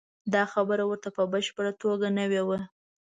دا خبره ورته په بشپړه توګه نوې وه.